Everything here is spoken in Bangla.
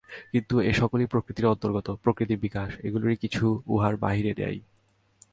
কিন্তু এ-সকলই প্রকৃতির অন্তর্গত, প্রকৃতির বিকাশ, এগুলির কিছুই উহার বাহিরে নাই।